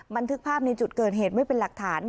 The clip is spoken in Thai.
บันทึกภาพในจุดเกิดเหตุไว้เป็นหลักฐาน